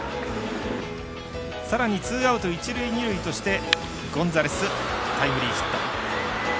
さらにツーアウト、一塁、二塁としてゴンザレス、タイムリーヒット。